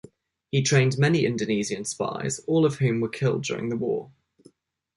He trained many Indonesian spies, all of whom were killed during the war.